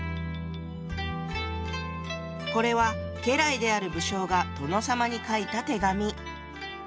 これは家来である武将が殿様に書いた手紙。